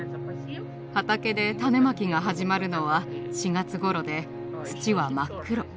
畑で種まきが始まるのは４月頃で土は真っ黒。